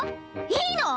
いいの！？